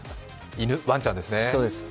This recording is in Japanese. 犬、わんちゃんですね。